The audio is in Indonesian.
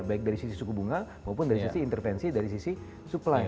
baik dari sisi suku bunga maupun dari sisi intervensi dari sisi supply